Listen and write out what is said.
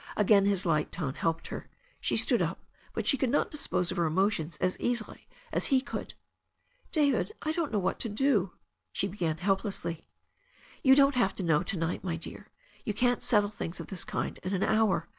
Again his light tone helped her. She stood up, but she could not dispose of her emotions as easily as he could. "David, I don't know what to do " she began help lessly. "You don't have to know to night, my dear girl. You can't settle things of this kind in an hour.